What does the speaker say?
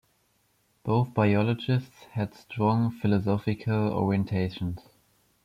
Both biologists had strong philosophical orientations.